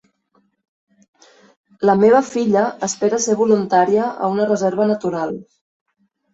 La meva filla espera ser voluntària a una reserva natural.